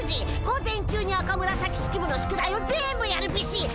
午前中に赤紫式部の宿題を全部やるビシッ！